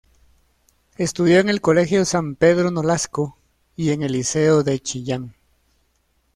Estudió en el Colegio San Pedro Nolasco y en el Liceo de Chillán.